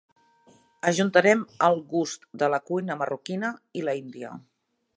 Ajuntarem el gust de la cuina marroquina i la índia.